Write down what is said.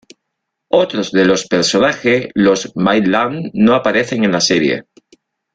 Otros de los personajes, Los Maitland no aparecen en la serie.